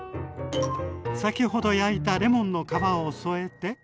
先ほど焼いたレモンの皮を添えて。